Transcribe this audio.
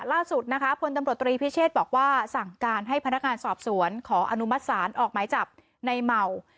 ล่าสุดนะคะพลตำรวจตรีพิเชษบอกว่าสั่งการให้พนักงานสอบสวนขออนุมัติศาลออกหมายจับในเหมา